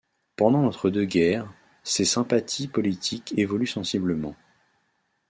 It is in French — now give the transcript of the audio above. Pendant l'entre-deux-guerres ses sympathies politiques évoluent sensiblement.